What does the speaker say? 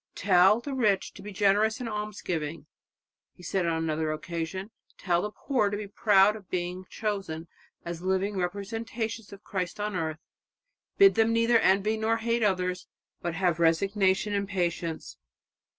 "Tell the rich to be generous in almsgiving," he said on another occasion; "tell the poor to be proud of being chosen as the living representatives of Christ on earth. Bid them neither envy nor hate others, but have resignation and patience."